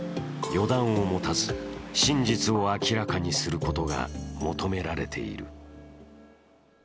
予断を持たず、真実を明らかにすることが求められている。